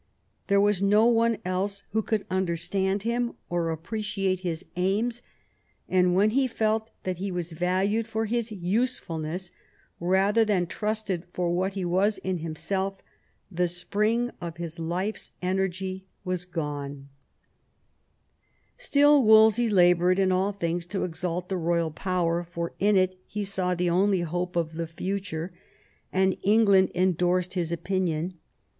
There was no one else who could under stand him or appreciate his aims, and when he felt that he was valued for his usefulness rather than trusted for what he was in himself, the spring of his life's energy was gone. VIII WOLSEY'S DOMESTIC POLICY 131 Still Wolsey laboured in all things to exalt the royal^^ power, for in it he saw the only hope of the future, and England endorsed his opinion.